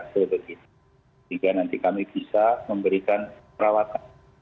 sehingga nanti kami bisa memberikan perawatan